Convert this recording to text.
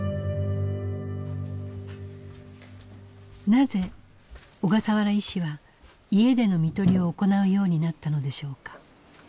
なぜ小笠原医師は家での看取りを行うようになったのでしょうか。